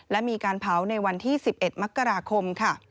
และมีการเผาในวันที่๑๑มกราคมค่ะ